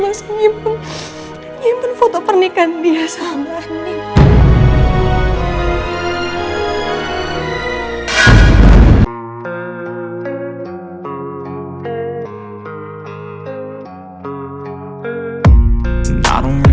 tapi vur ini nyejone jadi bantuan untuk bukasan justru fullest